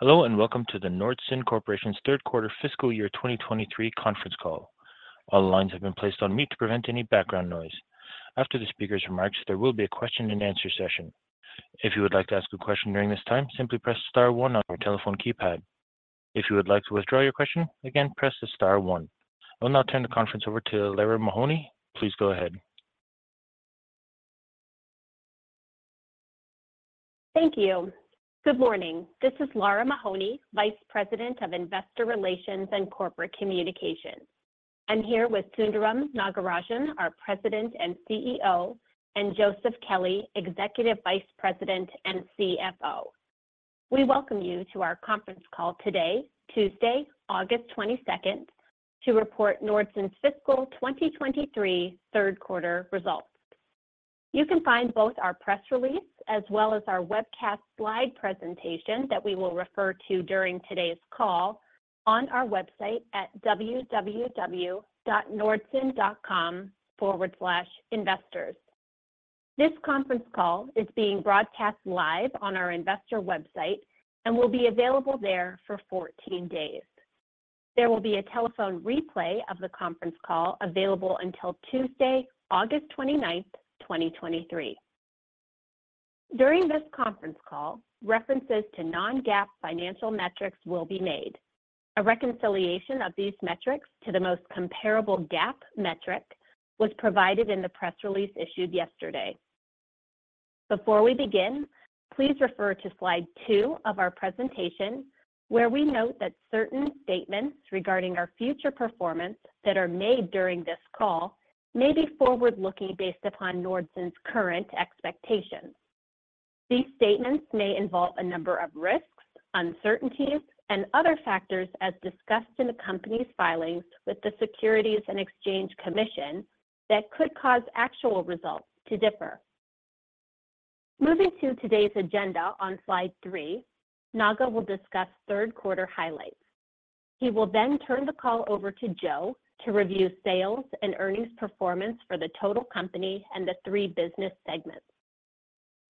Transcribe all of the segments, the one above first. Hello, and welcome to the Nordson Corporation's third quarter fiscal year 2023 conference call. All lines have been placed on mute to prevent any background noise. After the speaker's remarks, there will be a question and answer session. If you would like to ask a question during this time, simply press star one on your telephone keypad. If you would like to withdraw your question, again, press the star one. I'll now turn the conference over to Lara Mahoney. Please go ahead. Thank you. Good morning. This is Lara Mahoney, Vice President of Investor Relations and Corporate Communications. I'm here with Sundaram Nagarajan, our President and CEO, and Joseph Kelley, Executive Vice President and CFO. We welcome you to our conference call today, Tuesday, August 22nd, to report Nordson's fiscal 2023 third quarter results. You can find both our press release as well as our webcast slide presentation that we will refer to during today's call on our website at www.nordson.com/investors. This conference call is being broadcast live on our investor website and will be available there for 14 days. There will be a telephone replay of the conference call available until Tuesday, August 29th, 2023. During this conference call, references to non-GAAP financial metrics will be made. A reconciliation of these metrics to the most comparable GAAP metric was provided in the press release issued yesterday. Before we begin, please refer to slide two of our presentation, where we note that certain statements regarding our future performance that are made during this call may be forward-looking based upon Nordson's current expectations. These statements may involve a number of risks, uncertainties, and other factors as discussed in the company's filings with the Securities and Exchange Commission that could cause actual results to differ. Moving to today's agenda on slide three, Naga will discuss third quarter highlights. He will then turn the call over to Joe to review sales and earnings performance for the total company and the three business segments.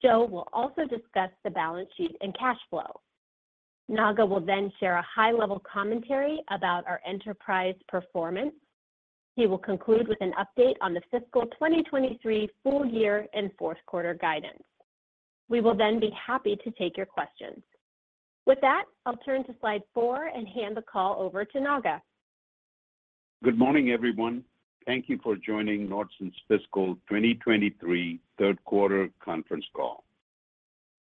Joe will also discuss the balance sheet and cash flow. Naga will then share a high-level commentary about our enterprise performance. He will conclude with an update on the fiscal 2023 full year and fourth quarter guidance. We will then be happy to take your questions. With that, I'll turn to slide 4 and hand the call over to Naga. Good morning, everyone. Thank you for joining Nordson's Fiscal 2023 third quarter conference call.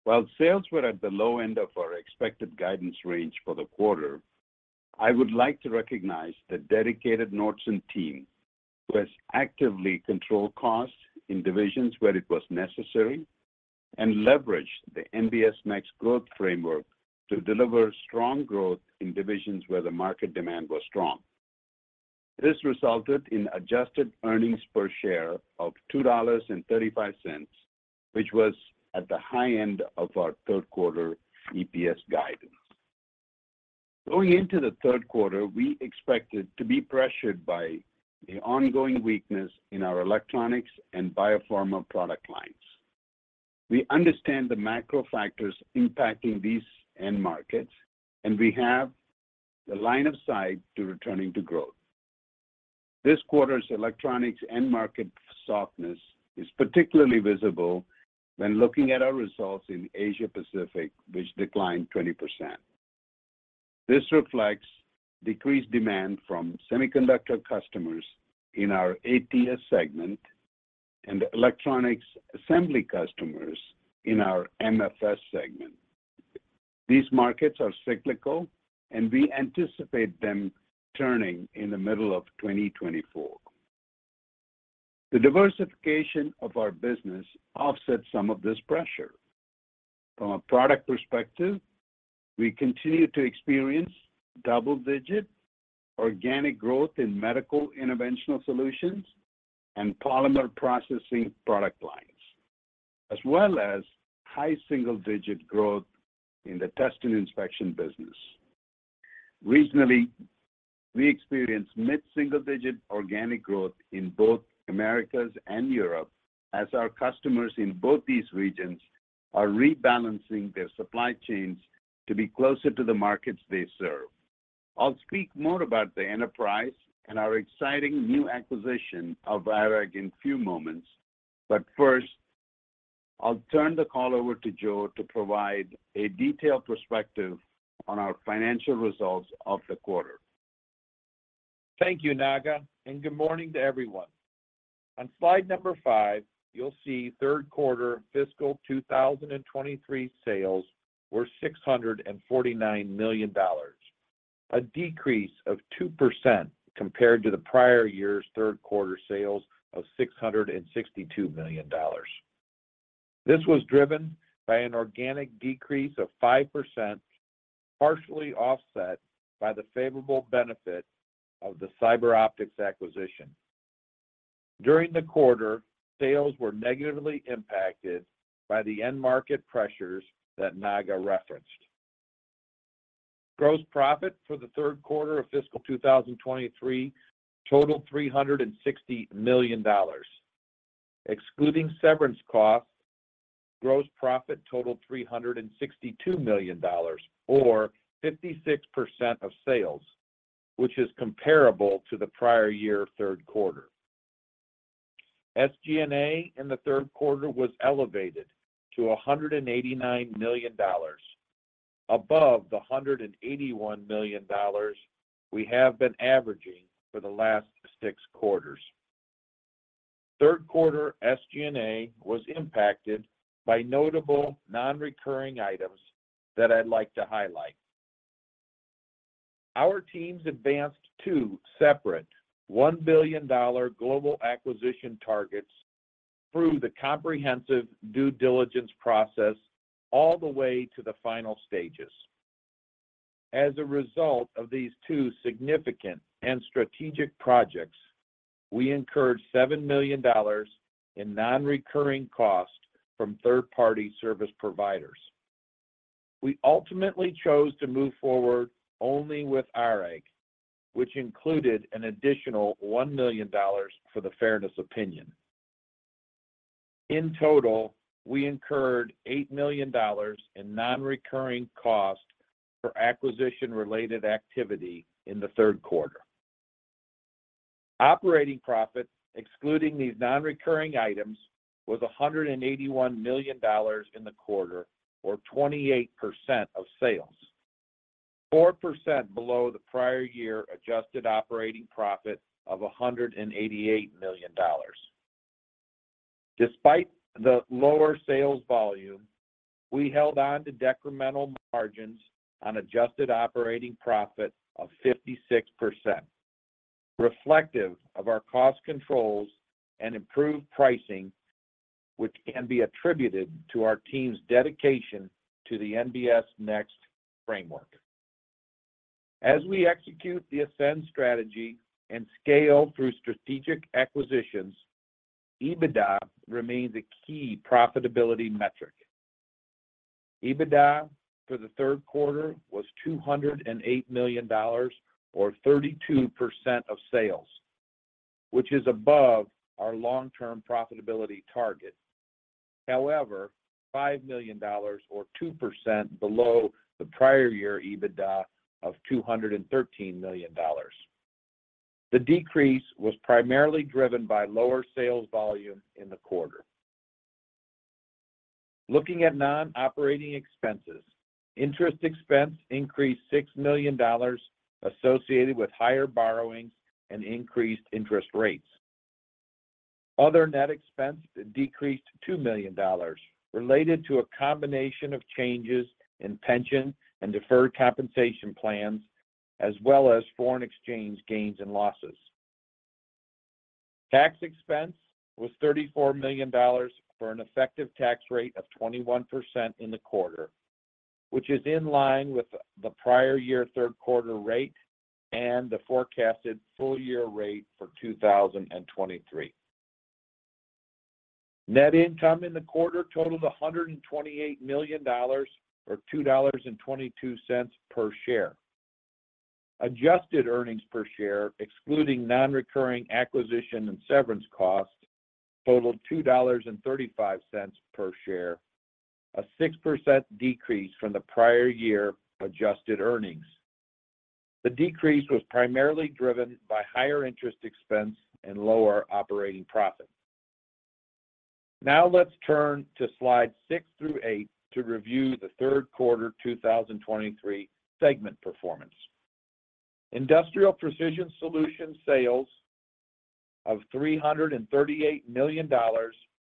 While sales were at the low end of our expected guidance range for the quarter, I would like to recognize the dedicated Nordson team, who has actively controlled costs in divisions where it was necessary and leveraged the NBS Next Growth Framework to deliver strong growth in divisions where the market demand was strong. This resulted in adjusted earnings per share of $2.35, which was at the high end of our third quarter EPS guidance. Going into the third quarter, we expected to be pressured by the ongoing weakness in our electronics and biopharma product lines. We understand the macro factors impacting these end markets, and we have the line of sight to returning to growth. This quarter's electronics end market softness is particularly visible when looking at our results in Asia Pacific, which declined 20%. This reflects decreased demand from semiconductor customers in our ATS segment and electronics assembly customers in our MFS segment. These markets are cyclical, and we anticipate them turning in the middle of 2024. The diversification of our business offsets some of this pressure. From a product perspective, we continue to experience double-digit organic growth in medical Interventional Solutions and polymer processing product lines, as well as high single-digit growth in the Test and Inspection business. Regionally, we experienced mid-single-digit organic growth in both Americas and Europe as our customers in both these regions are rebalancing their supply chains to be closer to the markets they serve. I'll speak more about the enterprise and our exciting new acquisition of ARAG in a few moments. First, I'll turn the call over to Joe to provide a detailed perspective on our financial results of the quarter. Thank you, Naga. Good morning to everyone. On slide number 5, you'll see third quarter fiscal 2023 sales were $649 million, a decrease of 2% compared to the prior year's third quarter sales of $662 million. This was driven by an organic decrease of 5%, partially offset by the favorable benefit of the CyberOptics acquisition. During the quarter, sales were negatively impacted by the end-market pressures that Naga referenced. Gross profit for the third quarter of fiscal 2023 totaled $360 million. Excluding severance costs, gross profit totaled $362 million, or 56% of sales, which is comparable to the prior year third quarter. SG&A in the third quarter was elevated to $189 million, above the $181 million we have been averaging for the last six quarters. Third quarter SG&A was impacted by notable non-recurring items that I'd like to highlight. Our teams advanced 2 separate $1 billion global acquisition targets through the comprehensive due diligence process, all the way to the final stages. As a result of these two significant and strategic projects, we incurred $7 million in non-recurring costs from third-party service providers. We ultimately chose to move forward only with ARAG, which included an additional $1 million for the fairness opinion. In total, we incurred $8 million in non-recurring costs for acquisition-related activity in the third quarter. Operating profit, excluding these non-recurring items, was $181 million in the quarter, or 28% of sales. 4% below the prior year adjusted operating profit of $188 million. Despite the lower sales volume, we held on to decremental margins on adjusted operating profit of 56%, reflective of our cost controls and improved pricing, which can be attributed to our team's dedication to the NBS Next framework. As we execute the Ascend Strategy and scale through strategic acquisitions, EBITDA remains a key profitability metric. EBITDA for the third quarter was $208 million, or 32% of sales, which is above our long-term profitability target. $5 million or 2% below the prior year EBITDA of $213 million. The decrease was primarily driven by lower sales volume in the quarter. Looking at non-operating expenses, interest expense increased $6 million associated with higher borrowings and increased interest rates. Other net expense decreased $2 million, related to a combination of changes in pension and deferred compensation plans, as well as foreign exchange gains and losses. Tax expense was $34 million for an effective tax rate of 21% in the quarter, which is in line with the prior year third quarter rate and the forecasted full year rate for 2023. Net income in the quarter totaled $128 million, or $2.22 per share. Adjusted earnings per share, excluding non-recurring acquisition and severance costs, totaled $2.35 per share, a 6% decrease from the prior year adjusted earnings. The decrease was primarily driven by higher interest expense and lower operating profit. Let's turn to slide 6-8 to review the third quarter 2023 segment performance. Industrial Precision Solutions sales of $338 million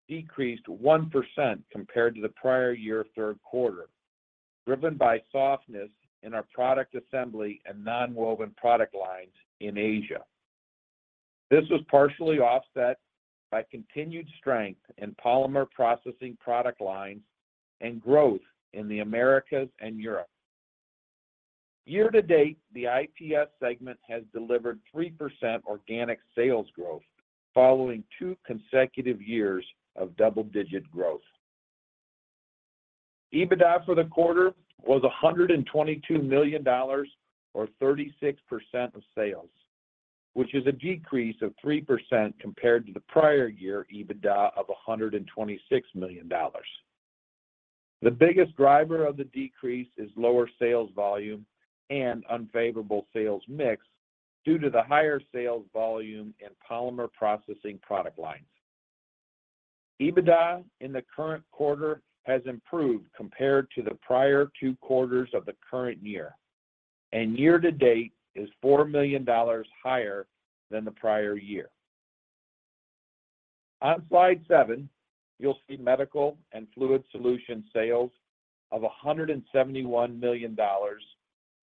decreased 1% compared to the prior year third quarter, driven by softness in our product assembly and nonwoven product lines in Asia. This was partially offset by continued strength in polymer processing product lines and growth in the Americas and Europe. Year to date, the IPS segment has delivered 3% organic sales growth, following two consecutive years of double-digit growth. EBITDA for the quarter was $122 million, or 36% of sales, which is a decrease of 3% compared to the prior year EBITDA of $126 million. The biggest driver of the decrease is lower sales volume and unfavorable sales mix due to the higher sales volume in polymer processing product lines. EBITDA in the current quarter has improved compared to the prior 2 quarters of the current year, and year to date is $4 million higher than the prior year. On slide 7, you'll see Medical and Fluid Solutions sales of $171 million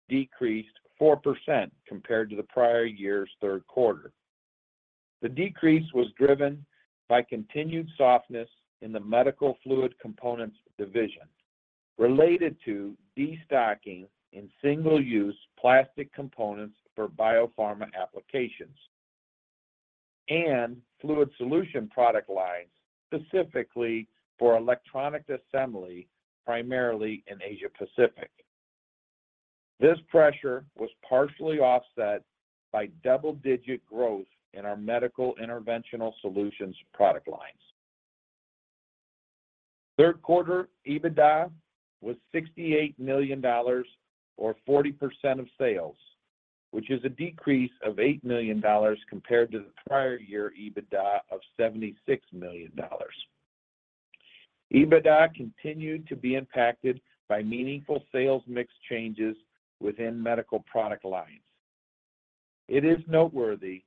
decreased 4% compared to the prior year's third quarter. The decrease was driven by continued softness in the Fluid Management Components division, related to destocking in single-use plastic components for biopharma applications and fluid solution product lines, specifically for electronic assembly, primarily in Asia Pacific. This pressure was partially offset by double-digit growth in our medical Interventional Solutions product lines. Third quarter EBITDA was $68 million, or 40% of sales, which is a decrease of $8 million compared to the prior year EBITDA of $76 million. EBITDA continued to be impacted by meaningful sales mix changes within medical product lines. It is noteworthy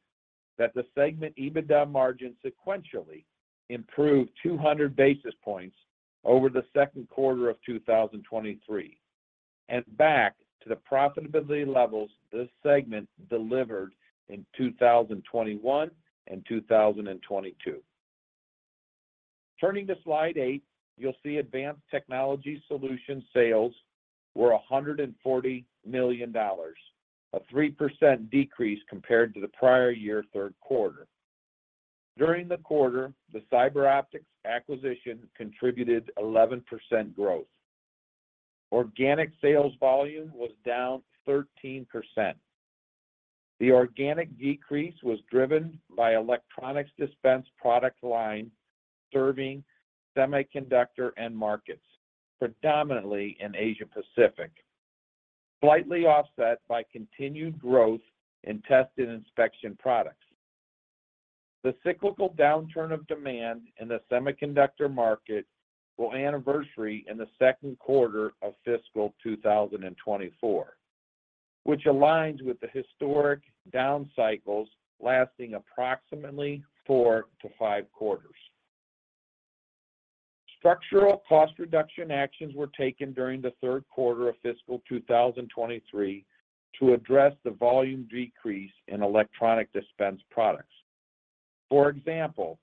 that the segment EBITDA margin sequentially improved 200 basis points over the second quarter of 2023, and back to the profitability levels this segment delivered in 2021 and 2022. Turning to slide 8, you'll see Advanced Technology Solutions sales were $140 million, a 3% decrease compared to the prior year third quarter. During the quarter, the CyberOptics acquisition contributed 11% growth. Organic sales volume was down 13%. The organic decrease was driven by electronics dispense product line, serving semiconductor end markets, predominantly in Asia Pacific, slightly offset by continued growth in test and inspection products. The cyclical downturn of demand in the semiconductor market will anniversary in the second quarter of fiscal 2024, which aligns with the historic down cycles lasting approximately 4-5 quarters. Structural cost reduction actions were taken during the third quarter of fiscal 2023 to address the volume decrease in electronic dispense products. For example,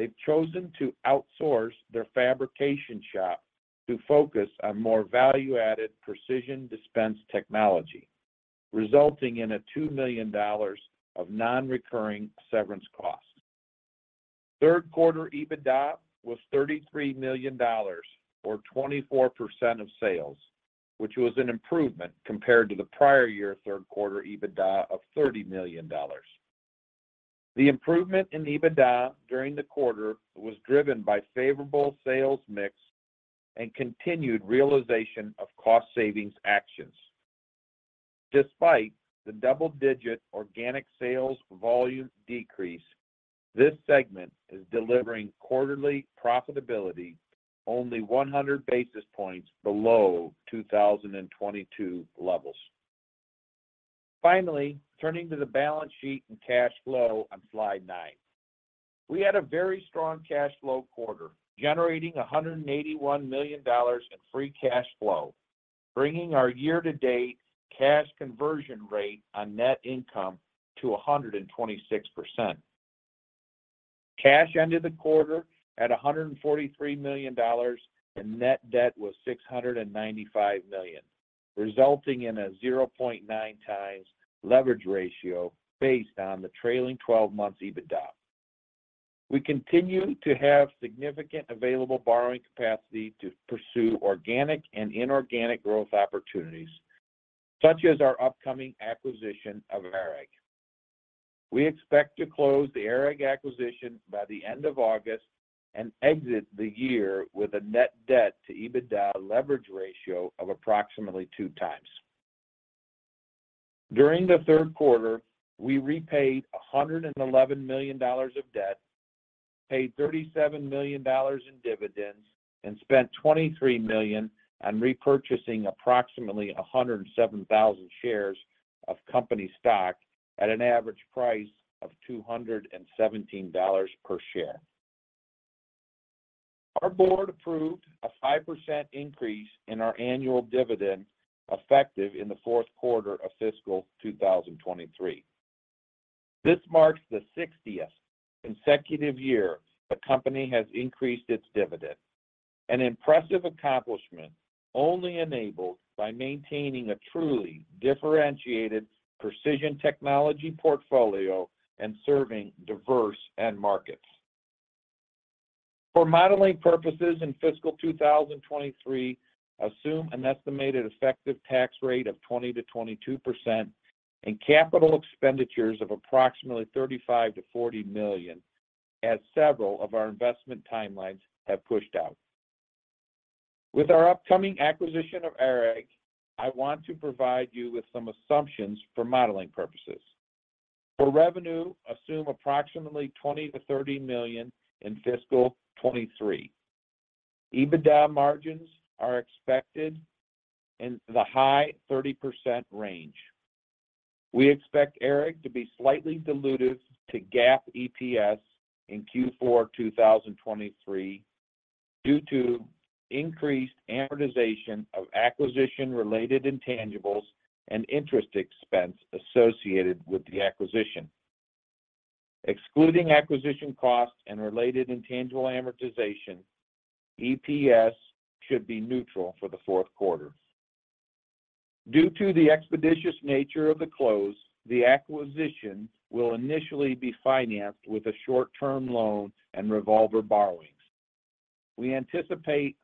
they've chosen to outsource their fabrication shop to focus on more value-added precision dispense technology, resulting in a $2 million of non-recurring severance costs. Third quarter EBITDA was $33 million, or 24% of sales, which was an improvement compared to the prior year third quarter EBITDA of $30 million. The improvement in EBITDA during the quarter was driven by favorable sales mix and continued realization of cost savings actions. Despite the double-digit organic sales volume decrease, this segment is delivering quarterly profitability only 100 basis points below 2022 levels. Finally, turning to the balance sheet and cash flow on slide 9. We had a very strong cash flow quarter, generating $181 million in free cash flow, bringing our year-to-date cash conversion rate on net income to 126%. Cash ended the quarter at $143 million, and net debt was $695 million, resulting in a 0.9x leverage ratio based on the trailing 12 months EBITDA. We continue to have significant available borrowing capacity to pursue organic and inorganic growth opportunities, such as our upcoming acquisition of ARAG. We expect to close the ARAG acquisition by the end of August and exit the year with a net debt to EBITDA leverage ratio of approximately 2 times. During the third quarter, we repaid $111 million of debt, paid $37 million in dividends, and spent $23 million on repurchasing approximately 107,000 shares of company stock at an average price of $217 per share. Our board approved a 5% increase in our annual dividend, effective in the fourth quarter of fiscal 2023. This marks the sixtieth consecutive year the company has increased its dividend, an impressive accomplishment only enabled by maintaining a truly differentiated precision technology portfolio and serving diverse end markets. For modeling purposes in fiscal 2023, assume an estimated effective tax rate of 20%-22% and capital expenditures of approximately $35 million-$40 million, as several of our investment timelines have pushed out. With our upcoming acquisition of ARIC, I want to provide you with some assumptions for modeling purposes. For revenue, assume approximately $20 million-$30 million in fiscal 2023. EBITDA margins are expected in the high 30% range. We expect ARAG to be slightly dilutive to GAAP EPS in Q4 2023 due to increased amortization of acquisition-related intangibles and interest expense associated with the acquisition. Excluding acquisition costs and related intangible amortization, EPS should be neutral for the fourth quarter. Due to the expeditious nature of the close, the acquisition will initially be financed with a short-term loan and revolver borrowing.... We anticipate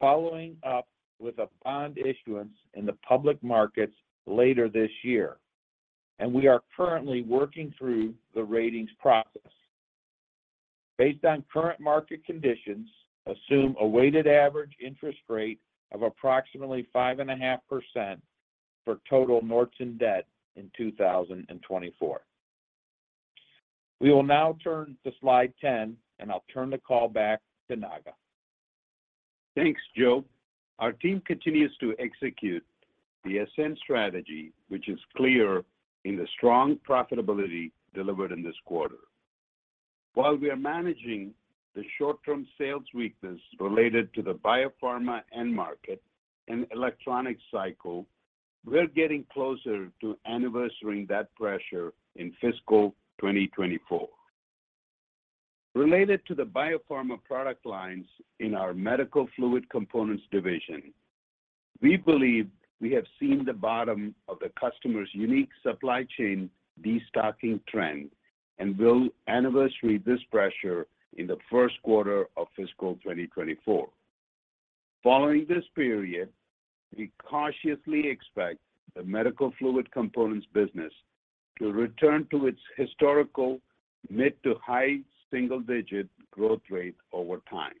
following up with a bond issuance in the public markets later this year. We are currently working through the ratings process. Based on current market conditions, assume a weighted average interest rate of approximately 5.5% for total Nordson debt in 2024. We will now turn to slide 10. I'll turn the call back to Naga. Thanks, Joe. Our team continues to execute the Ascend strategy, which is clear in the strong profitability delivered in this quarter. While we are managing the short-term sales weakness related to the biopharma end market and electronic cycle, we're getting closer to anniversarying that pressure in fiscal 2024. Related to the biopharma product lines in our Fluid Management Components division, we believe we have seen the bottom of the customer's unique supply chain destocking trend, and will anniversary this pressure in the 1st quarter of fiscal 2024. Following this period, we cautiously expect the Fluid Management Components business to return to its historical mid to high single-digit growth rate over time.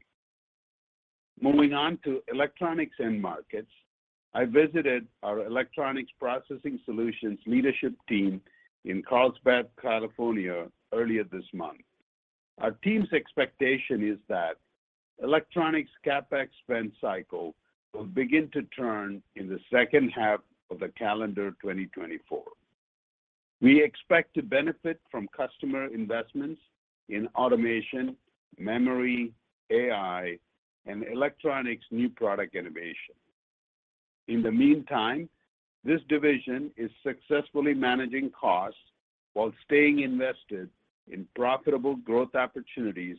Moving on to electronics end markets, I visited our Nordson Electronics Solutions leadership team in Carlsbad, California, earlier this month. Our team's expectation is that electronics CapEx spend cycle will begin to turn in the second half of the calendar 2024. We expect to benefit from customer investments in automation, memory, AI, and electronics new product innovation. In the meantime, this division is successfully managing costs while staying invested in profitable growth opportunities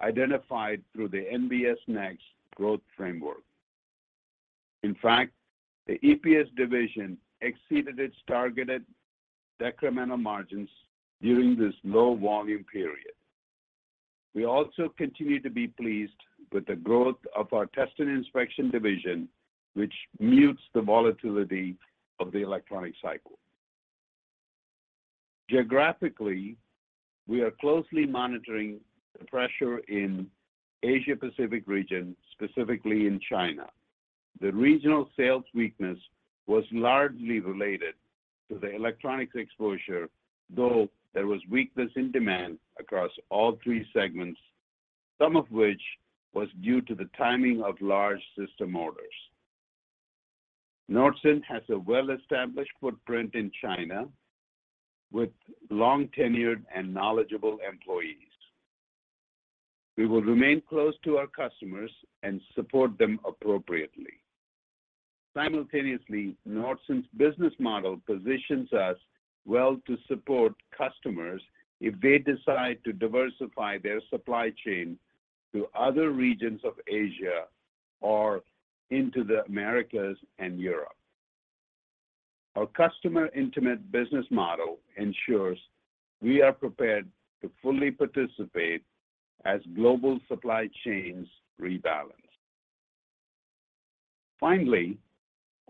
identified through the NBS Next Growth Framework. In fact, the NES division exceeded its targeted incremental margins during this low volume period. We also continue to be pleased with the growth of our Test and Inspection division, which mutes the volatility of the electronic cycle. Geographically, we are closely monitoring the pressure in Asia Pacific region, specifically in China. The regional sales weakness was largely related to the electronics exposure, though there was weakness in demand across all three segments, some of which was due to the timing of large system orders. Nordson has a well-established footprint in China with long-tenured and knowledgeable employees. We will remain close to our customers and support them appropriately. Simultaneously, Nordson's business model positions us well to support customers if they decide to diversify their supply chain to other regions of Asia or into the Americas and Europe. Our customer-intimate business model ensures we are prepared to fully participate as global supply chains rebalance. Finally,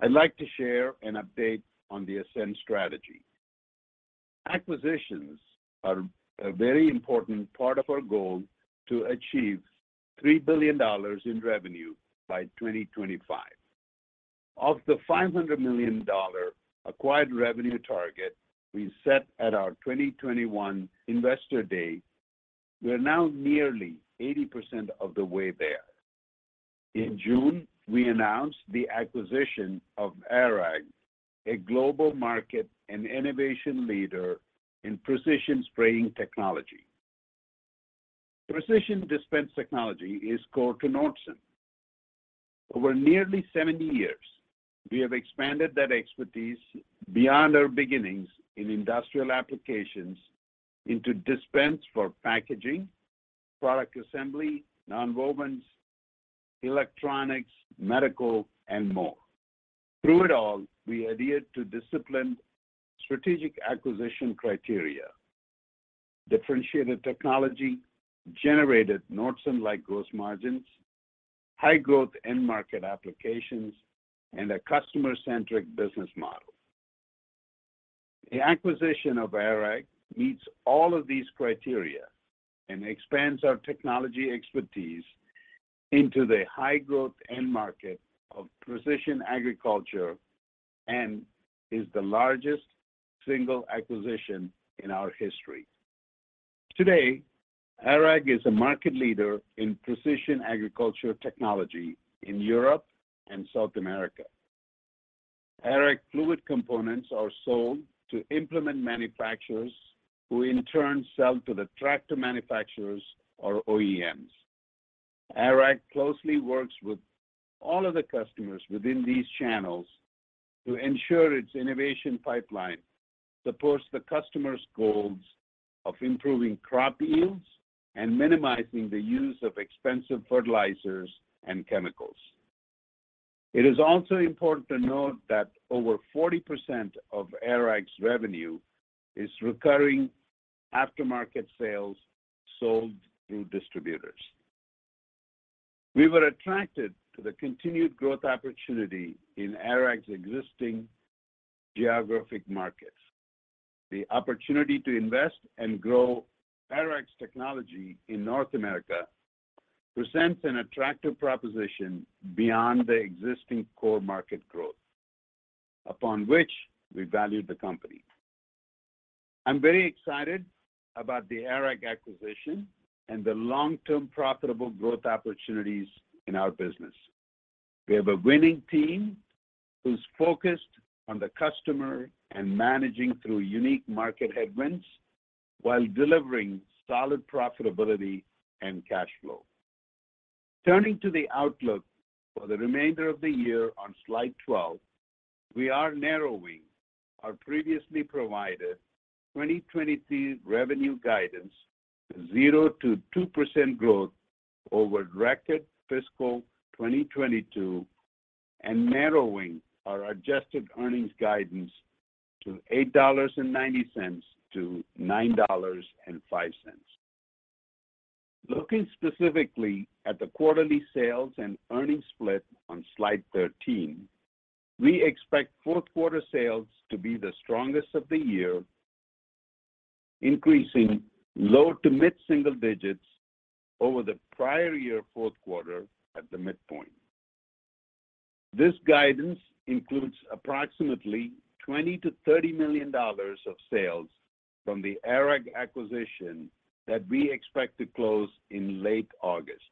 I'd like to share an update on the Ascend strategy. Acquisitions are a very important part of our goal to achieve $3 billion in revenue by 2025. Of the $500 million acquired revenue target we set at our 2021 Investor Day, we are now nearly 80% of the way there. In June, we announced the acquisition of ARAG, a global market and innovation leader in precision spraying technology. Precision dispense technology is core to Nordson. Over nearly 70 years, we have expanded that expertise beyond our beginnings in industrial applications into dispense for packaging, product assembly, nonwovens, electronics, medical, and more. Through it all, we adhered to disciplined strategic acquisition criteria, differentiated technology, generated Nordson-like gross margins, high growth end market applications, and a customer-centric business model. The acquisition of ARAG meets all of these criteria and expands our technology expertise into the high-growth end market of precision agriculture and is the largest single acquisition in our history. Today, ARAG is a market leader in precision agriculture technology in Europe and South America. ARAG fluid components are sold to implement manufacturers, who in turn sell to the tractor manufacturers or OEMs. ARAG closely works with all of the customers within these channels to ensure its innovation pipeline supports the customers' goals of improving crop yields and minimizing the use of expensive fertilizers and chemicals. It is also important to note that over 40% of ARAG's revenue is recurring aftermarket sales sold through distributors. We were attracted to the continued growth opportunity in ARAG's existing geographic markets. The opportunity to invest and grow ARAG's technology in North America presents an attractive proposition beyond the existing core market growth, upon which we valued the company. I'm very excited about the ARAG acquisition and the long-term profitable growth opportunities in our business. We have a winning team who's focused on the customer and managing through unique market headwinds while delivering solid profitability and cash flow. Turning to the outlook for the remainder of the year on slide 12, we are narrowing our previously provided 2023 revenue guidance, 0%-2% growth over record fiscal 2022, and narrowing our adjusted earnings guidance to $8.90-$9.05. Looking specifically at the quarterly sales and earnings split on slide 13, we expect fourth quarter sales to be the strongest of the year, increasing low to mid-single digits over the prior year fourth quarter at the midpoint. This guidance includes approximately $20 million-$30 million of sales from the ARAG acquisition that we expect to close in late August.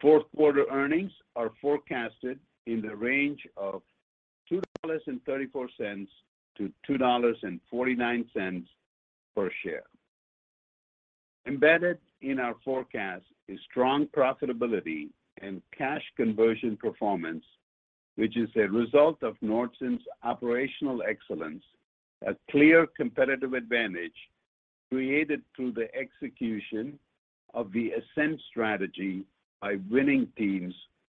Fourth quarter earnings are forecasted in the range of $2.34-$2.49 per share. Embedded in our forecast is strong profitability and cash conversion performance, which is a result of Nordson's operational excellence, a clear competitive advantage created through the execution of the Ascend strategy by winning teams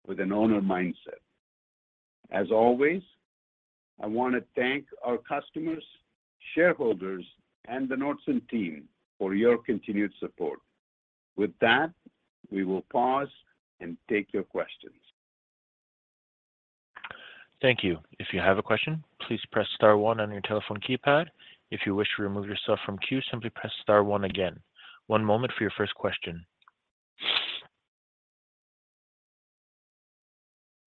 with an owner mindset. As always, I want to thank our customers, shareholders, and the Nordson team for your continued support. With that, we will pause and take your questions. Thank you. If you have a question, please press star one on your telephone keypad. If you wish to remove yourself from queue, simply press star one again. One moment for your first question.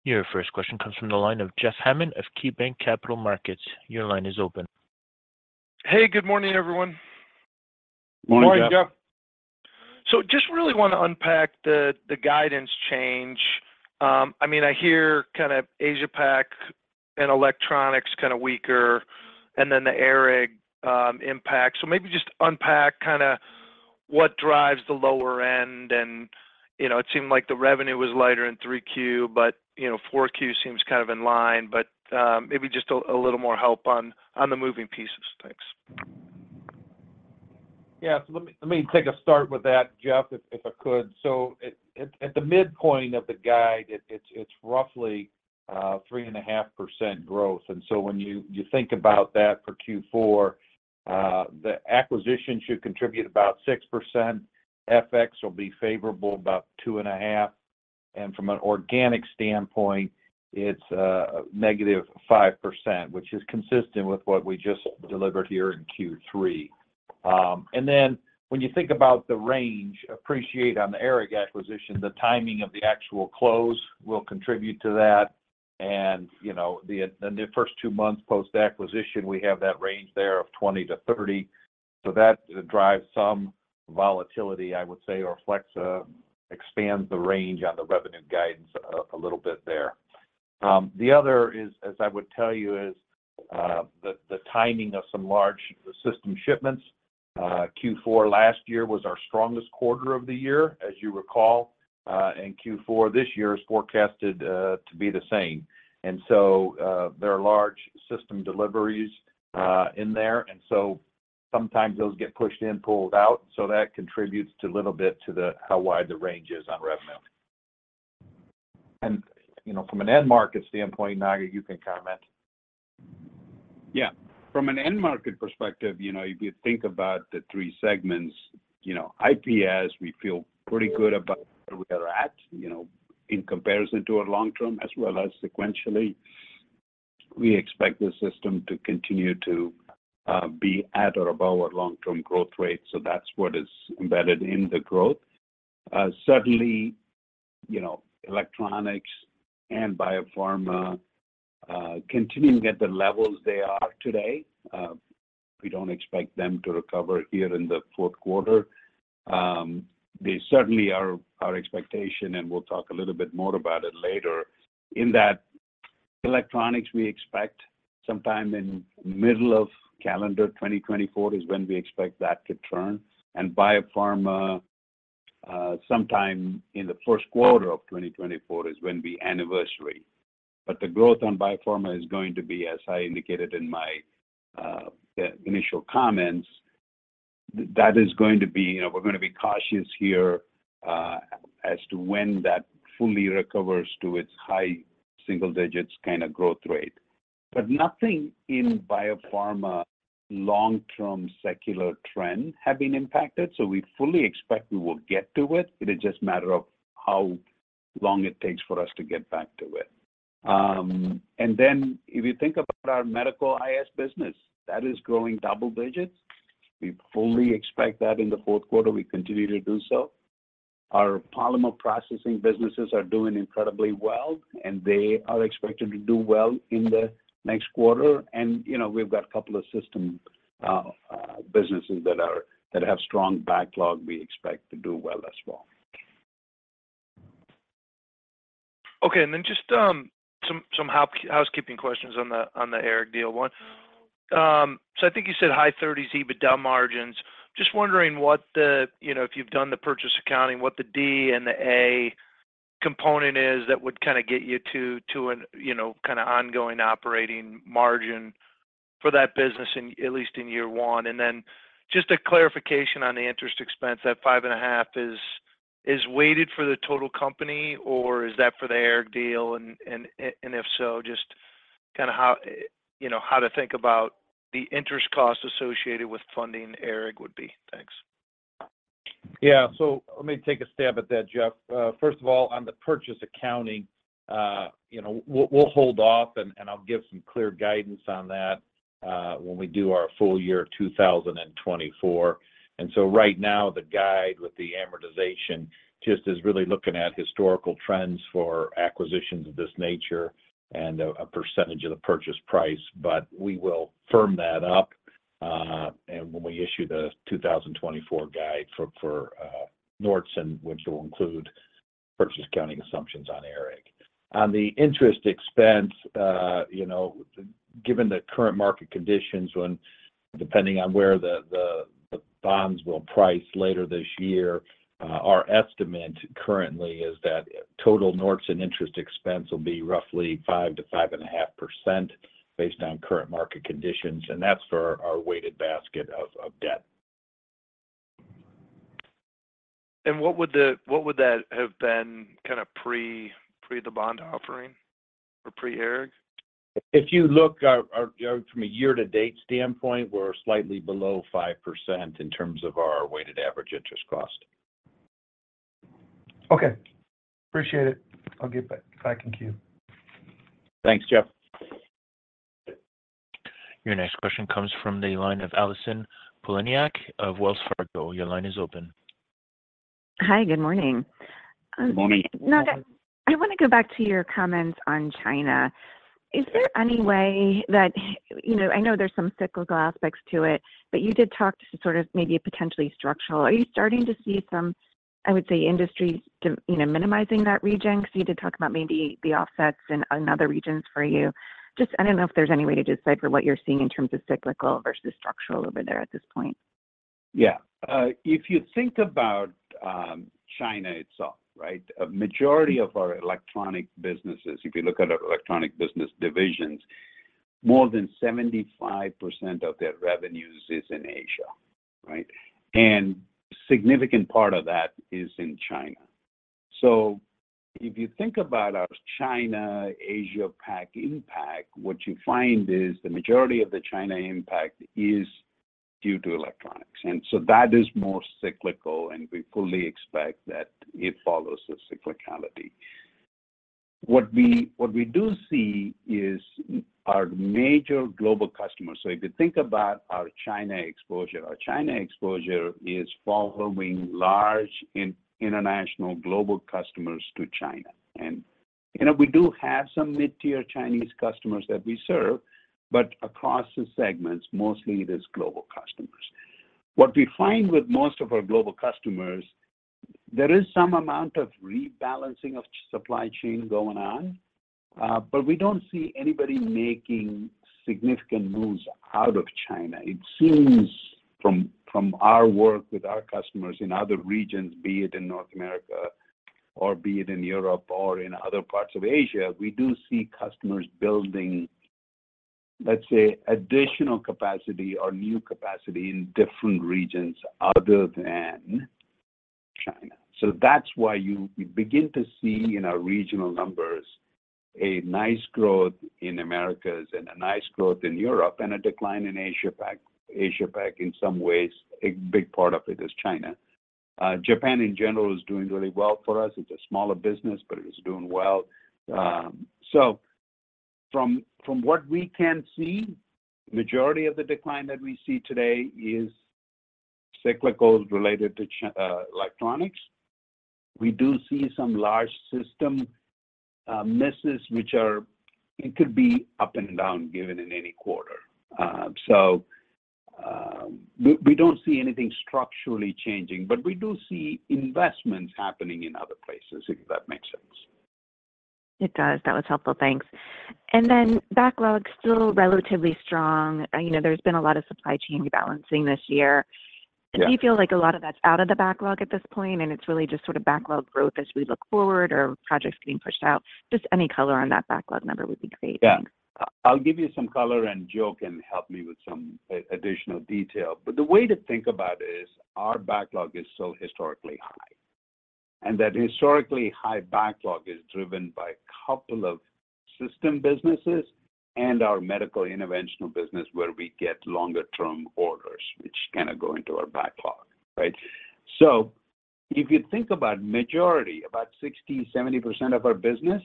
Your first question comes from the line of Jeff Hammond of KeyBanc Capital Markets. Your line is open. Hey, good morning, everyone. Morning, Jeff. Morning, Jeff. Just really want to unpack the, the guidance change. I mean, I hear kind of Asia Pac and electronics kind of weaker, and then the ARAG impact. Maybe just unpack kind of what drives the lower end, and, you know, it seemed like the revenue was lighter in 3Q, but, you know, 4Q seems kind of in line, but, maybe just a, a little more help on, on the moving pieces. Thanks. Yeah, let me, let me take a start with that, Jeff, if, if I could. At, at, at the midpoint of the guide, it, it's, it's roughly 3.5% growth. When you, you think about that for Q4, the acquisition should contribute about 6%. FX will be favorable about 2.5, and from an organic standpoint, it's negative 5%, which is consistent with what we just delivered here in Q3. When you think about the range, appreciate on the ARAG acquisition, the timing of the actual close will contribute to that. You know, the first 2 months post-acquisition, we have that range there of 20-30. That drives some volatility, I would say, or flex, expands the range on the revenue guidance a little bit there. The other is, as I would tell you, is the timing of some large system shipments. Q4 last year was our strongest quarter of the year, as you recall. Q4 this year is forecasted to be the same. There are large system deliveries in there, sometimes those get pushed in, pulled out, so that contributes a little bit to the how wide the range is on revenue. You know, from an end market standpoint, Naga, you can comment. Yeah. From an end market perspective, you know, if you think about the three segments, you know, IPS, we feel pretty good about where we are at, you know, in comparison to our long term as well as sequentially. We expect the system to continue to be at or above our long-term growth rate, so that's what is embedded in the growth. Certainly, you know, electronics and biopharma, continuing at the levels they are today, we don't expect them to recover here in the fourth quarter. They certainly are our expectation, and we'll talk a little bit more about it later. In that electronics, we expect sometime in middle of calendar 2024 is when we expect that to turn, and biopharma, sometime in the first quarter of 2024 is when we anniversary. The growth on biopharma is going to be, as I indicated in my, the initial comments. That is going to be, you know, we're gonna be cautious here, as to when that fully recovers to its high single digits kind of growth rate. Nothing in biopharma long-term secular trend have been impacted, so we fully expect we will get to it. It is just a matter of how long it takes for us to get back to it. And then if you think about our Medical IS business, that is growing double digits. We fully expect that in the fourth quarter, we continue to do so. Our polymer processing businesses are doing incredibly well, and they are expected to do well in the next quarter. you know, we've got a 2 of system, businesses that have strong backlog we expect to do well as well. Just housekeeping questions on the ARAG deal 1. I think you said high 30s EBITDA margins. Just wondering what the, you know, if you've done the purchase accounting, what the D&A component is that would kind of get you to, to an, you know, kind of ongoing operating margin for that business in at least in year one. Just a clarification on the interest expense, that 5.5 is weighted for the total company, or is that for the ARAG deal? If so, just kind of how, you know, how to think about the interest costs associated with funding ARAG would be. Thanks. Yeah. Let me take a stab at that, Jeff. First of all, on the purchase accounting, you know, we'll hold off, and I'll give some clear guidance on that when we do our full year 2024. Right now, the guide with the amortization just is really looking at historical trends for acquisitions of this nature and a percentage of the purchase price. We will firm that up, and when we issue the 2024 guide for Nordson, which will include purchase accounting assumptions on ARAG. On the interest expense, you know, given the current market conditions, when depending on where the, the, the bonds will price later this year, our estimate currently is that total Nordson interest expense will be roughly 5%-5.5% based on current market conditions, and that's for our weighted basket of, of debt. What would that have been kind of pre the bond offering or pre ARAG? If you look our, our, from a year-to-date standpoint, we're slightly below 5% in terms of our weighted average interest cost. Okay, appreciate it. I'll give back in queue. Thanks, Jeff. Your next question comes from the line of Allison Poliniak of Wells Fargo. Your line is open. Hi, good morning. Good morning. I wanna go back to your comments on China. Is there any way that you know, I know there's some cyclical aspects to it, but you did talk to sort of maybe a potentially structural? Are you starting to see some, I would say, industries, you know, minimizing that region? You did talk about maybe the offsets in another regions for you. I don't know if there's any way to decipher what you're seeing in terms of cyclical versus structural over there at this point. Yeah. If you think about China itself. A majority of our electronic businesses, if you look at our electronic business divisions, more than 75% of their revenues is in Asia. Significant part of that is in China. If you think about our China, Asia Pac impact, what you find is the majority of the China impact is due to electronics. So that is more cyclical, and we fully expect that it follows the cyclicality. What we, what we do see is our major global customers. If you think about our China exposure, our China exposure is following large in- international global customers to China. You know, we do have some mid-tier Chinese customers that we serve, but across the segments, mostly it is global customers. What we find with most of our global customers, there is some amount of rebalancing of supply chain going on, but we don't see anybody making significant moves out of China. It seems from, from our work with our customers in other regions, be it in North America, or be it in Europe, or in other parts of Asia, we do see customers building, let's say, additional capacity or new capacity in different regions other than China. That's why you, we begin to see in our regional numbers, a nice growth in Americas and a nice growth in Europe, and a decline in Asia Pac. Asia Pac, in some ways, a big part of it is China. Japan, in general, is doing really well for us. It's a smaller business, but it is doing well. From, from what we can see, majority of the decline that we see today is cyclicals related to electronics. We do see some large system misses, which are, it could be up and down, given in any quarter. We, we don't see anything structurally changing, but we do see investments happening in other places, if that makes sense. It does. That was helpful. Thanks. Then backlog still relatively strong. You know, there's been a lot of supply chain rebalancing this year. Yeah. Do you feel like a lot of that's out of the backlog at this point, it's really just sort of backlog growth as we look forward or projects being pushed out? Just any color on that backlog number would be great. Yeah. I'll give you some color, and Joe can help me with some additional detail. The way to think about it is, our backlog is so historically high. That historically high backlog is driven by a couple of system businesses and our medical interventional business, where we get longer-term orders, which kind of go into our backlog, right? If you think about majority, about 60%, 70% of our business,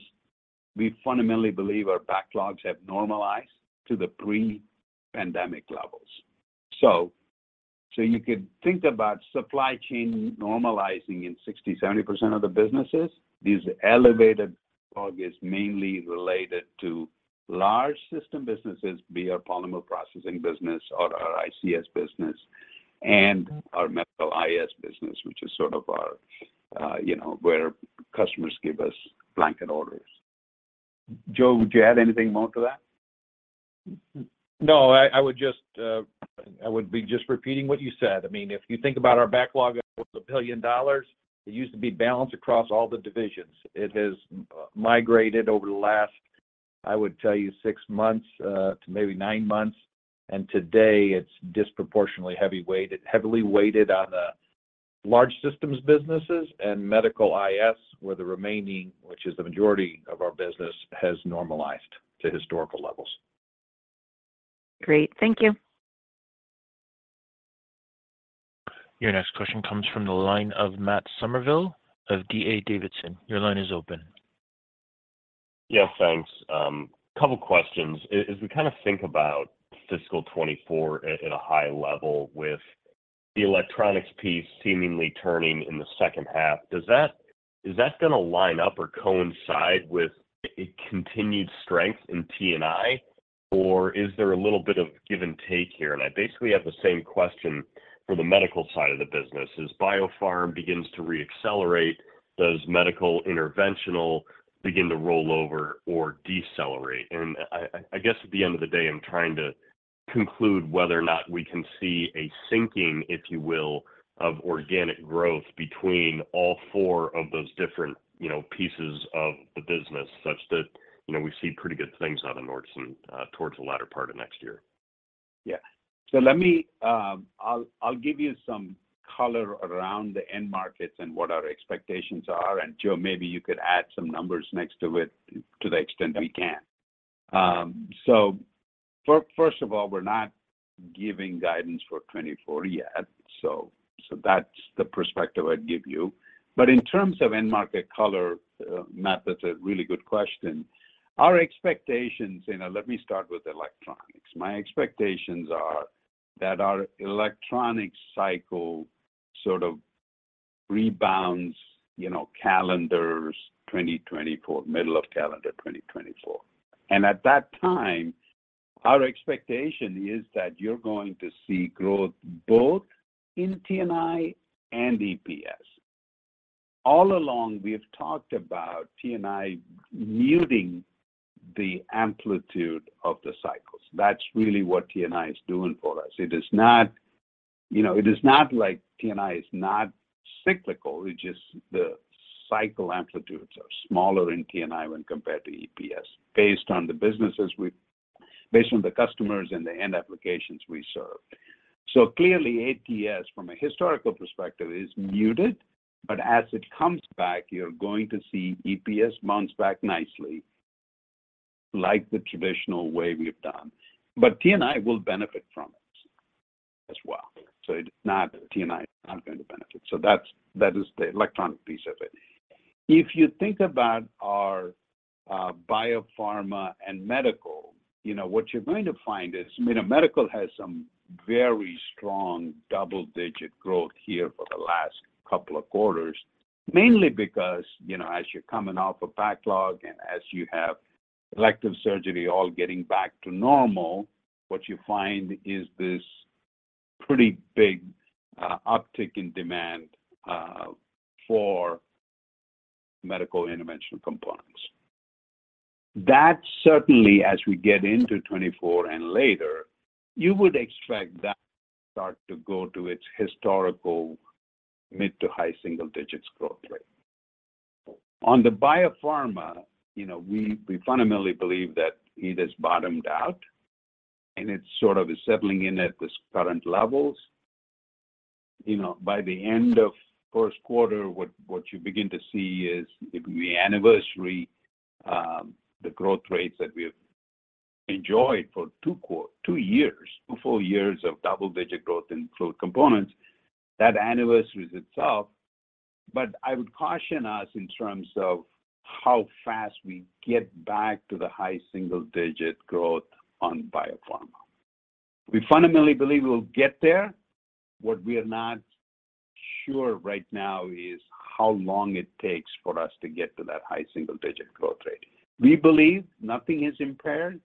we fundamentally believe our backlogs have normalized to the pre-pandemic levels. So you could think about supply chain normalizing in 60%, 70% of the businesses. These elevated backlog is mainly related to large system businesses, be it our polymer processing business or our IPS business and our medical IS business, which is sort of our, you know, where customers give us blanket orders. Joe, would you add anything more to that? No, I, I would just, I would be just repeating what you said. I mean, if you think about our backlog of $1 billion, it used to be balanced across all the divisions. It has migrated over the last, I would tell you, 6 months to maybe 9 months, and today it's disproportionately heavily weighted on the large systems businesses and medical IS, where the remaining, which is the majority of our business, has normalized to historical levels. Great. Thank you. Your next question comes from the line of Matthew Summerville of D.A. Davidson. Your line is open. Yeah, thanks. couple questions. As we kind of think about fiscal 2024 at, at a high level with the electronics piece seemingly turning in the second half, is that going to line up or coincide with a continued strength in T&I, or is there a little bit of give and take here? I basically have the same question for the medical side of the business. As biopharm begins to reaccelerate, does medical interventional begin to roll over or decelerate? I guess at the end of the day, I'm trying to conclude whether or not we can see a syncing, if you will, of organic growth between all four of those different, you know, pieces of the business, such that, you know, we see pretty good things out of Nordson towards the latter part of next year. Yeah. Let me, I'll, I'll give you some color around the end markets and what our expectations are, and, Joe, maybe you could add some numbers next to it, to the extent we can. First of all, we're not giving guidance for 2024 yet, so, so that's the perspective I'd give you. In terms of end market color, Matt, that's a really good question. Our expectations, you know, let me start with electronics. My expectations are that our electronic cycle sort of rebounds, you know, calendars 2024, middle of calendar 2024. At that time, our expectation is that you're going to see growth both in T&I and EPS. All along, we have talked about T&I muting the amplitude of the cycles. That's really what T&I is doing for us. It is not, you know, it is not like T&I is not cyclical. It's just the cycle amplitudes are smaller in T&I when compared to EPS, based on the businesses we based on the customers and the end applications we serve. Clearly, ATS, from a historical perspective, is muted, but as it comes back, you're going to see EPS bounce back nicely, like the traditional way we've done. T&I will benefit from it as well. It is not T&I is not going to benefit. That's, that is the electronic piece of it. If you think about our, biopharma and medical, you know, what you're going to find is, I mean, medical has some very strong double-digit growth here for the last couple of quarters. Mainly because, you know, as you're coming off a backlog and as you have elective surgery all getting back to normal, what you find is this pretty big, uptick in demand, for medical interventional components. That certainly, as we get into 2024 and later, you would expect that start to go to its historical mid to high single-digit growth rate. On the biopharma, you know, we, we fundamentally believe that it has bottomed out, and it's sort of settling in at this current levels. You know, by the end of first quarter, what you begin to see is it will be anniversary, the growth rates that we've enjoyed for two years, full four years of double-digit growth in flow components. That anniversaries itself, I would caution us in terms of how fast we get back to the high single-digit growth on biopharma. We fundamentally believe we'll get there. What we are not sure right now is how long it takes for us to get to that high single-digit growth rate. We believe nothing is impaired,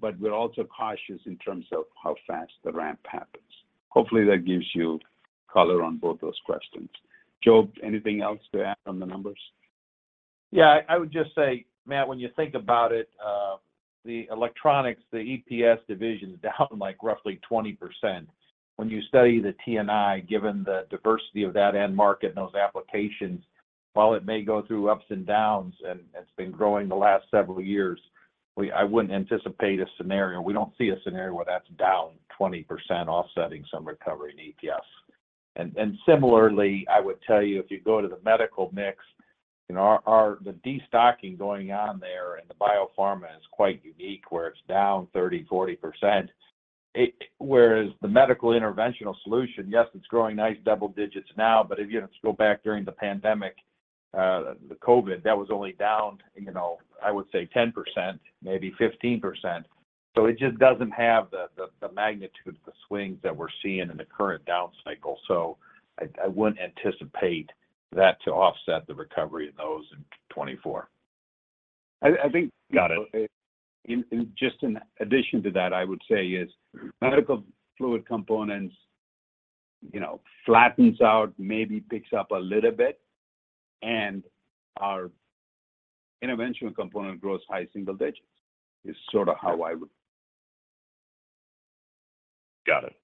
but we're also cautious in terms of how fast the ramp happens. Hopefully, that gives you color on both those questions. Joe, anything else to add on the numbers? Yeah, I would just say, Matt, when you think about it, the electronics, the EPS division is down, like, roughly 20%. When you study the T&I, given the diversity of that end market and those applications, while it may go through ups and downs, and it's been growing the last several years. We, I wouldn't anticipate a scenario. We don't see a scenario where that's down 20%, offsetting some recovery in ATS. Similarly, I would tell you, if you go to the medical mix, you know, our, our, the destocking going on there in the biopharma is quite unique, where it's down 30%-40%. Whereas the medical Interventional Solutions, yes, it's growing nice double digits now, but if you go back during the pandemic, the COVID, that was only down, you know, I would say 10%, maybe 15%. It just doesn't have the, the, the magnitude of the swings that we're seeing in the current down cycle. I, I wouldn't anticipate that to offset the recovery in those in 2024. I think- Got it. Just in addition to that, I would say is Fluid Management Components, you know, flattens out, maybe picks up a little bit, and our interventional component grows high single digits, is sort of how I would... Got it.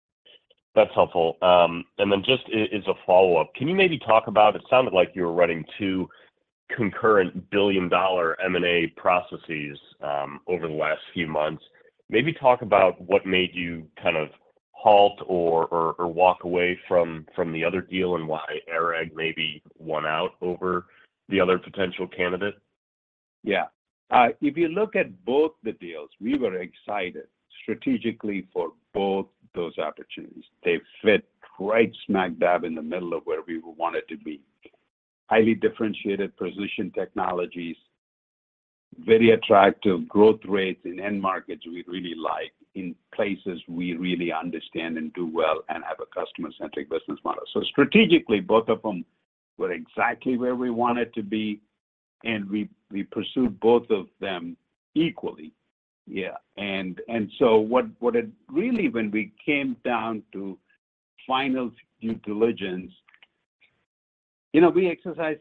That's helpful. Then just as, as a follow-up, can you maybe talk about-- it sounded like you were running 2 concurrent $1 billion M&A processes over the last few months. Maybe talk about what made you kind of halt or, or, or walk away from, from the other deal, and why ARAG maybe won out over the other potential candidate? Yeah. If you look at both the deals, we were excited strategically for both those opportunities. They fit right smack dab in the middle of where we wanted to be. Highly differentiated precision technologies, very attractive growth rates in end markets we really like, in places we really understand and do well and have a customer-centric business model. Strategically, both of them were exactly where we wanted to be, and we, we pursued both of them equally. Yeah, when we came down to final due diligence, you know, we exercise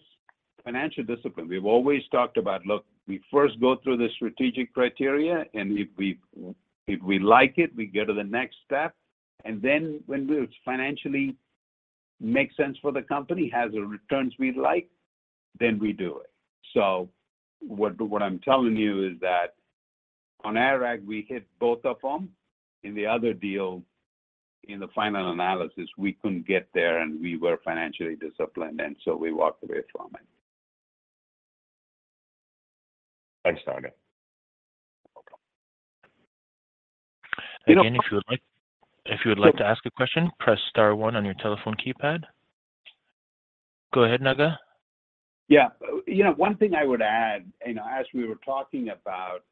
financial discipline. We've always talked about, look, we first go through the strategic criteria, and if we, if we like it, we go to the next step. Then when it financially makes sense for the company, has the returns we like, then we do it. What I'm telling you is that on ARAG, we hit both of them. In the other deal, in the final analysis, we couldn't get there, and we were financially disciplined, and so we walked away from it. Thanks, Naga. No problem. Again, if you would like- So- If you would like to ask a question, press star 1 on your telephone keypad. Go ahead, Naga. Yeah. You know, one thing I would add, and as we were talking about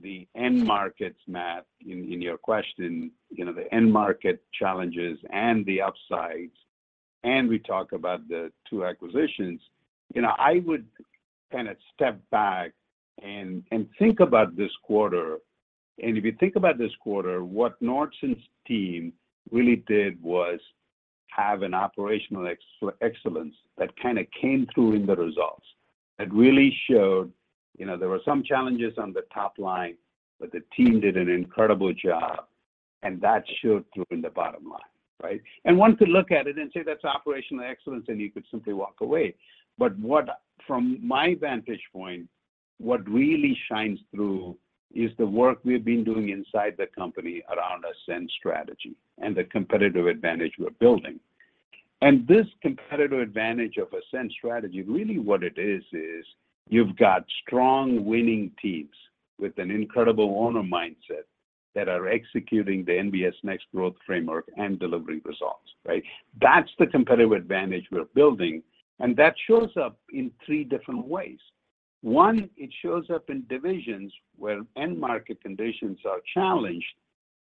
the end markets, Matt, in, in your question, you know, the end market challenges and the upsides, and we talked about the 2 acquisitions. You know, I would kind of step back and, and think about this quarter. If you think about this quarter, what Nordson's team really did was have an operational excellence that kind of came through in the results. It really showed, you know, there were some challenges on the top line, but the team did an incredible job, and that showed through in the bottom line, right? One could look at it and say, "That's operational excellence," and you could simply walk away. What, from my vantage point, what really shines through is the work we've been doing inside the company around Ascend Strategy and the competitive advantage we're building. This competitive advantage of Ascend Strategy, really what it is, is you've got strong, winning teams with an incredible owner mindset that are executing the NBS Next Growth Framework and delivering results, right? That's the competitive advantage we're building, and that shows up in 3 different ways. 1, it shows up in divisions where end market conditions are challenged.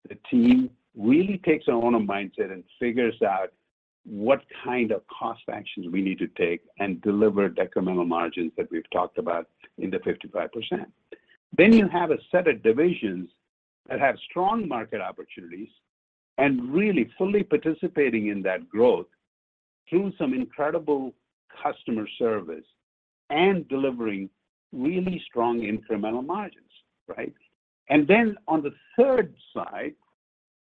The team really takes an owner mindset and figures out what kind of cost actions we need to take and deliver decremental margins that we've talked about in the 55%. You have a set of divisions that have strong market opportunities and really fully participating in that growth through some incredible customer service and delivering really strong incremental margins, right? On the third side,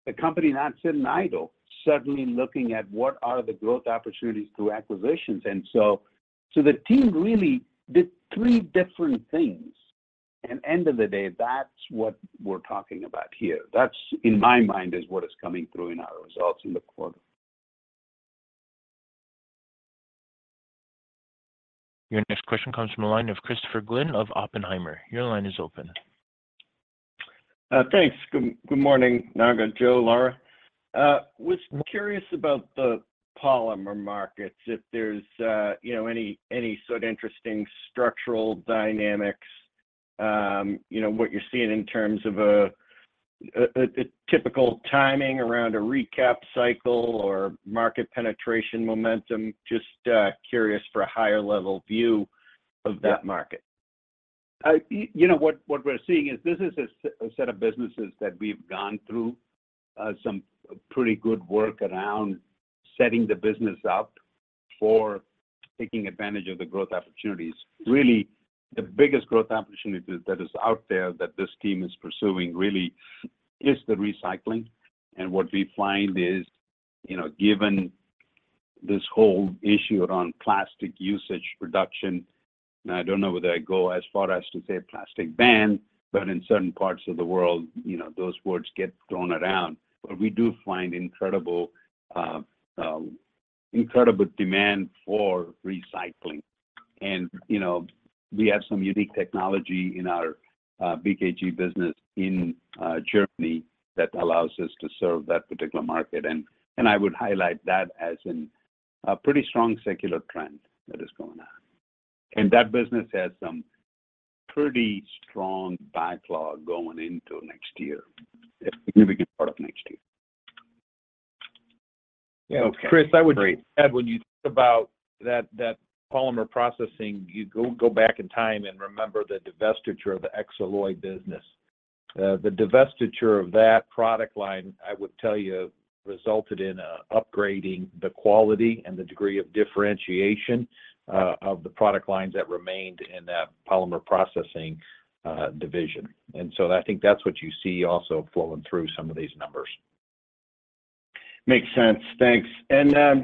the company not sitting idle, certainly looking at what are the growth opportunities through acquisitions. The team really did three different things, and end of the day, that's what we're talking about here. That's, in my mind, is what is coming through in our results in the quarter. Your next question comes from the line of Christopher Glynn of Oppenheimer. Your line is open. Thanks. Good morning, Naga, Joe, Lara Mahoney. Was curious about the polymer markets, if there's, you know, any sort of interesting structural dynamics, you know, what you're seeing in terms of a typical timing around a recap cycle or market penetration momentum? Just curious for a higher level view of that market. I, you, you know, what, what we're seeing is this is a set, a set of businesses that we've gone through, some pretty good work around setting the business up for taking advantage of the growth opportunities. Really, the biggest growth opportunity that is out there, that this team is pursuing really is the recycling. What we find is, you know, this whole issue around plastic usage reduction, and I don't know whether I'd go as far as to say plastic ban, but in certain parts of the world, you know, those words get thrown around. We do find incredible, incredible demand for recycling. You know, we have some unique technology in our BKG business in Germany that allows us to serve that particular market. I would highlight that as a pretty strong secular trend that is going on. That business has some pretty strong backlog going into next year, a significant part of next year. Yeah, Chris, I would- Great. When you think about that, that polymer processing, you go, go back in time and remember the divestiture of the Xaloy business. The divestiture of that product line, I would tell you, resulted in upgrading the quality and the degree of differentiation of the product lines that remained in that polymer processing division. I think that's what you see also flowing through some of these numbers. Makes sense. Thanks.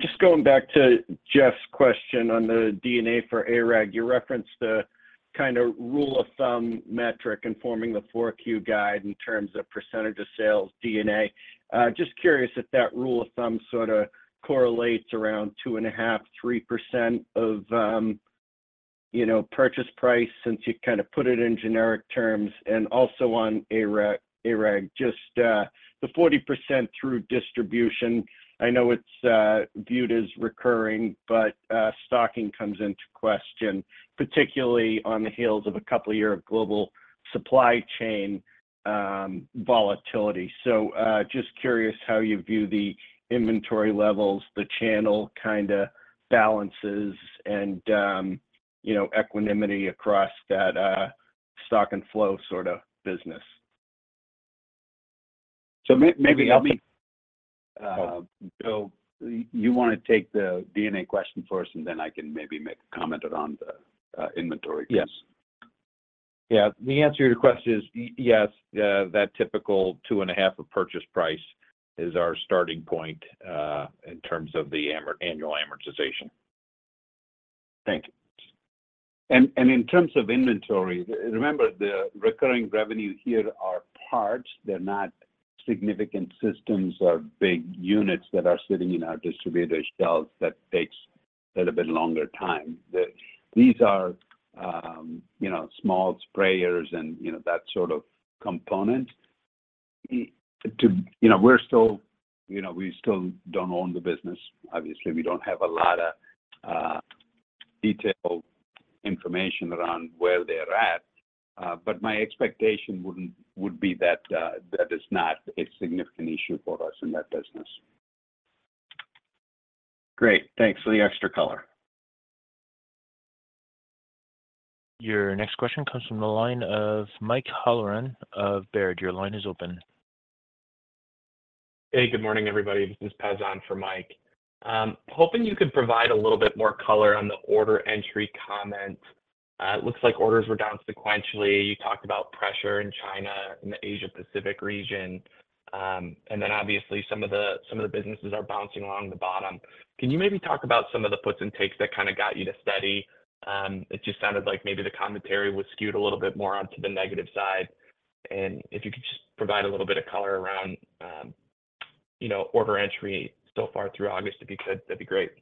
Just going back to Jeff's question on the D&A for ARAG. You referenced the kind of rule of thumb metric in forming the 4Q guide in terms of percentage of sales D&A. Just curious if that rule of thumb sorta correlates around 2.5%-3% of, you know, purchase price, since you kind of put it in generic terms, and also on ARAG, ARAG. Just the 40% through distribution, I know it's viewed as recurring, but stocking comes into question, particularly on the heels of a couple of year of global supply chain volatility. Just curious how you view the inventory levels, the channel kinda balances, and, you know, equanimity across that stock and flow sorta business. may-maybe, I'll be... Joe, you wanna take the D&A question first, and then I can maybe make a comment on the inventory piece? Yes. Yeah, the answer to your question is yes, that typical 2.5 of purchase price is our starting point in terms of the annual amortization. Thank you. In terms of inventory, remember, the recurring revenue here are parts. They're not significant systems or big units that are sitting in our distributor shelves that takes a little bit longer time. These are, you know, small sprayers and, you know, that sort of component. You know, we're still, you know, we still don't own the business. Obviously, we don't have a lot of detailed information around where they're at, but my expectation would be that that is not a significant issue for us in that business. Great, thanks for the extra color. Your next question comes from the line of Mike Halloran of Baird. Your line is open. Hey, good morning, everybody. This is Paz on for Mike. Hoping you could provide a little bit more color on the order entry comment. It looks like orders were down sequentially. You talked about pressure in China, in the Asia Pacific region, and then obviously some of the, some of the businesses are bouncing along the bottom. Can you maybe talk about some of the puts and takes that kinda got you to steady? It just sounded like maybe the commentary was skewed a little bit more onto the negative side. If you could just provide a little bit of color around, you know, order entry so far through August, that'd be good. That'd be great.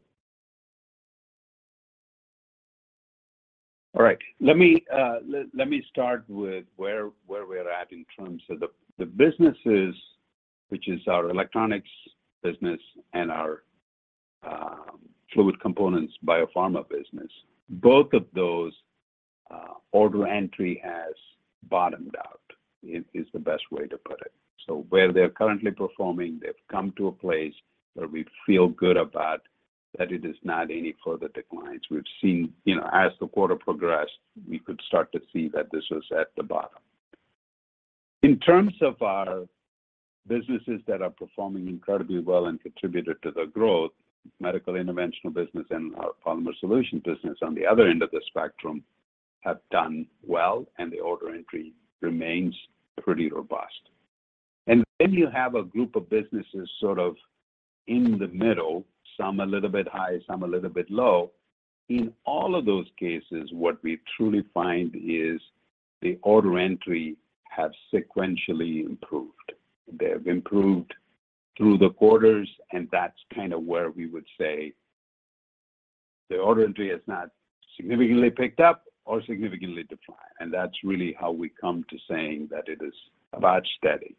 All right. Let me start with where, where we're at in terms of the businesses, which is our Electronics Business and our Fluid Components, Biopharma Business. Both of those, order entry has bottomed out, is the best way to put it. Where they're currently performing, they've come to a place where we feel good about that it is not any further declines. We've seen, you know, as the quarter progressed, we could start to see that this was at the bottom. In terms of our businesses that are performing incredibly well and contributed to the growth, Medical Interventional Business and our Polymer Solution Business on the other end of the spectrum, have done well, and the order entry remains pretty robust. Then you have a group of businesses sort of in the middle, some a little bit high, some a little bit low. In all of those cases, what we truly find is the order entry have sequentially improved. They have improved through the quarters, and that's kind of where we would say the order entry has not significantly picked up or significantly declined, and that's really how we come to saying that it is about steady.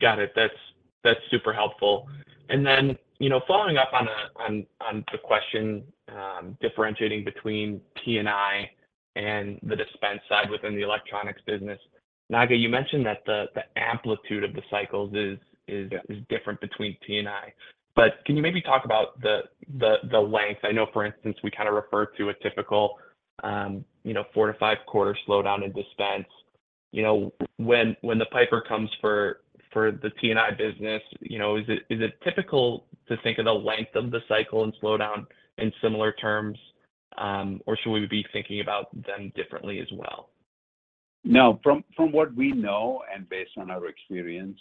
Got it. That's, that's super helpful. Then, you know, following up on, on the question, differentiating between TNI and the dispense side within the electronics business. Naga, you mentioned that the amplitude of the cycles is different between TNI, but can you maybe talk about the length? I know, for instance, we kinda refer to a typical, you know, four to five quarter slowdown in dispense. You know, when, when the piper comes for the TNI business, you know, is it, is it typical to think of the length of the cycle and slowdown in similar terms, or should we be thinking about them differently as well? No, from, from what we know and based on our experience,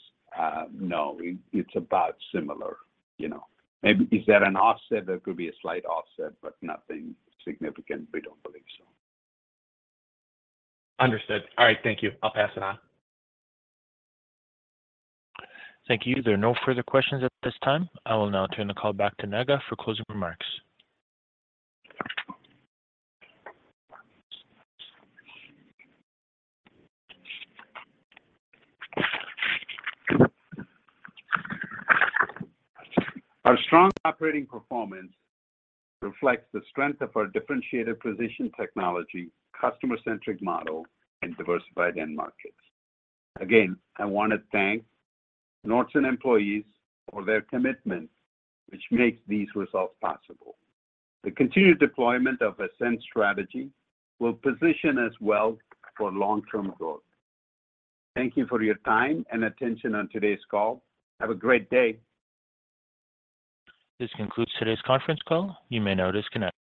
no, it, it's about similar, you know. Maybe, is there an offset? There could be a slight offset, but nothing significant. We don't believe so. Understood. All right, thank you. I'll pass it on. Thank you. There are no further questions at this time. I will now turn the call back to Naga for closing remarks. Our strong operating performance reflects the strength of our differentiated position technology, customer-centric model, and diversified end markets. Again, I wanna thank Nordson employees for their commitment, which makes these results possible. The continued deployment of Ascend strategy will position us well for long-term growth. Thank you for your time and attention on today's call. Have a great day. This concludes today's conference call. You may now disconnect.